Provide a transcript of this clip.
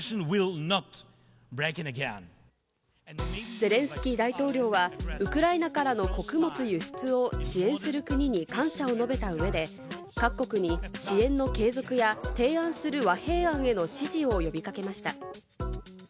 ゼレンスキー大統領は、ウクライナからの穀物輸出を支援する国に感謝を述べた上で、各国に支援の継続や、提案する和平案への支持を呼び掛けました。